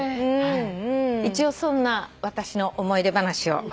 一応そんな私の思い出話を。